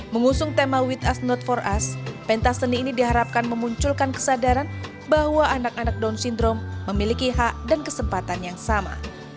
mengusung tema with us not for us pentas seni ini diharapkan memunculkan kesadaran bahwa anak anak down syndrome memiliki hak dan kesempatan yang sama